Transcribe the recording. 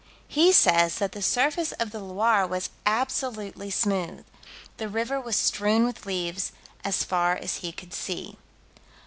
He says that the surface of the Loire was "absolutely smooth." The river was strewn with leaves as far as he could see.